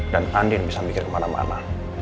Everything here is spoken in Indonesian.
dan andin bisa mikir kemana mana